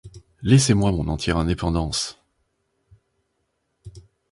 Laissez-moi mon entière indépendance.